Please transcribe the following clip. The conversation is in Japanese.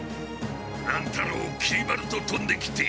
乱太郎きり丸ととんできて。